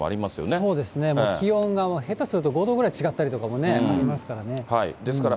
そうですね、気温が下手すると５度ぐらい違ったりすることもありますからね。